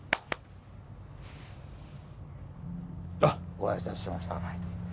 ご挨拶しました。